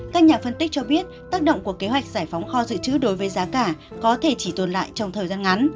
các nhà phân tích cho biết tác động của kế hoạch giải phóng kho dự trữ đối với giá cả có thể chỉ tồn lại trong thời gian ngắn